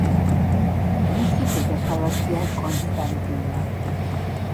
მისი დედაქალაქია კონსტანტინა.